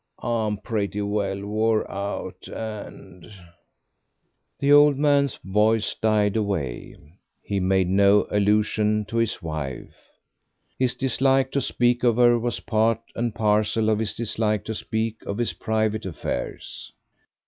I'm pretty well wore out, and " The old man's voice died away. He made no allusion to his wife. His dislike to speak of her was part and parcel of his dislike to speak of his private affairs.